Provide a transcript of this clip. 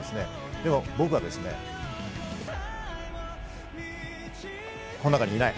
でも僕はこの中にいない。